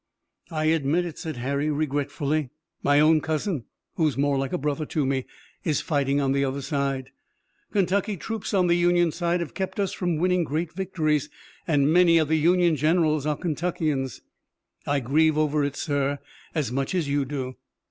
"I admit it," said Harry regretfully. "My own cousin, who was more like a brother to me, is fighting on the other side. Kentucky troops on the Union side have kept us from winning great victories, and many of the Union generals are Kentuckians. I grieve over it, sir, as much as you do."